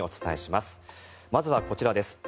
まずはこちらです。